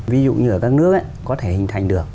ví dụ như ở các nước có thể hình thành được